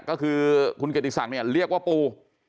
ก็คือคุณกระติกศักดิ์เรียกว่าปู